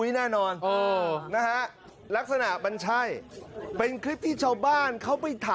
อุ๊ยน่านอนรักษณะมันใช่